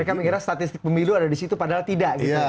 mereka mengira statistik pemilu ada disitu padahal tidak gitu